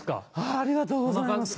ありがとうございます。